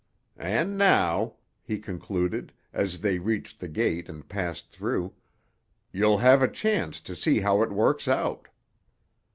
And now," he concluded, as they reached the gate and passed through, "you'll have a chance to see how it works out."